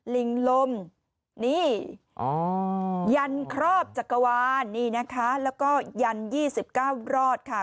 ลิงลมนี่ยันครอบจักรวาลนี่นะคะแล้วก็ยัน๒๙รอดค่ะ